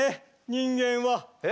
人間は。